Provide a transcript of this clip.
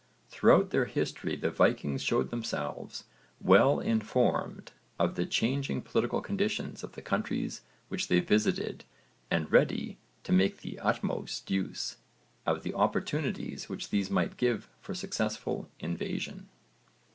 Throughout their history the Vikings showed themselves well informed of the changing political conditions of the countries which they visited and ready to make the utmost use of the opportunities which these might give for successful invasion.